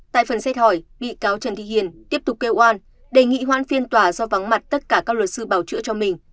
tại phần xét hỏi bị cáo trần thị hiền tiếp tục kêu oan đề nghị hoãn phiên tòa do vắng mặt tất cả các luật sư bảo chữa cho mình